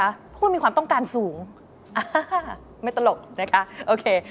เพราะคุณมีความต้องการสูงไม่ตลกนะคะโอเค